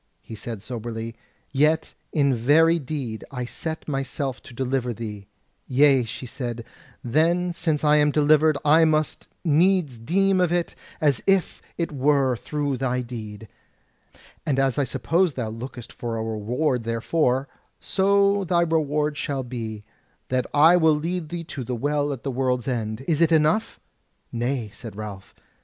He said soberly: "Yet in very deed I set myself to deliver thee." "Yea," she said, "then since I am delivered, I must needs deem of it as if it were through thy deed. And as I suppose thou lookest for a reward therefor, so thy reward shall be, that I will lead thee to the Well at the World's End. Is it enough?" "Nay," said Ralph.